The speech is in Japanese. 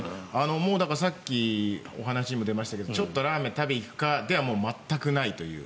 もうだからさっきお話に出ましたけどちょっとラーメンを食べに行くかでは全くないという。